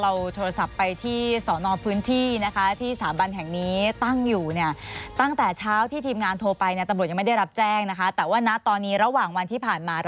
เราโทรศัพท์ไปที่สอนอพื้นที่นะเค้าที่สถาบันที่แห่งนี้เอดีตั้งอยู่นี่